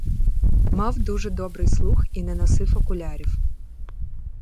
Мав дуже добрий слух і не носив окулярів.